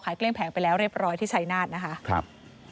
ก็ขายเกลี้ยงแผงไปแล้วเรียบร้อยที่ชายนาทนะคะ